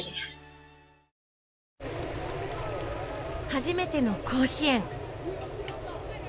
初めての甲子園。